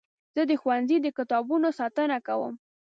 زه د ښوونځي د کتابونو ساتنه کوم.